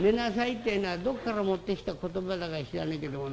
ってえのはどっから持ってきた言葉だか知らないけどもな